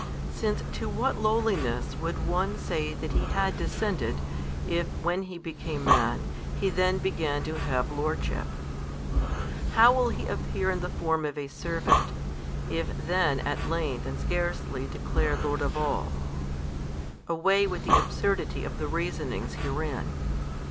Since to what lowliness would one say that He had descended, if, when He became Man, He then began to have lordship? how will He appear in the Form of a servant, if then at length and scarcely declared Lord of all? Away with the absurdity of the reasonings herein.